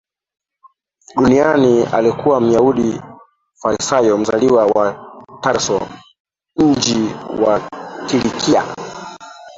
duniani Alikuwa Myahudi Farisayo mzaliwa wa Tarso mji wa Kilikia